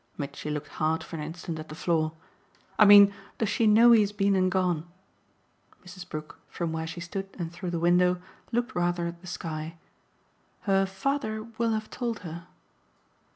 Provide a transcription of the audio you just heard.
Mitchy looked hard for an instant at the floor. "I mean does she know he has been and gone?" Mrs. Brook, from where she stood and through the window, looked rather at the sky. "Her father will have told her."